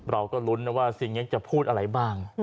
เราก็ลุ้นนะว่าซีเง็กจะพูดอะไรบ้าง